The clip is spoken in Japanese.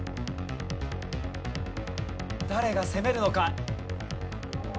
誰が攻めるのか？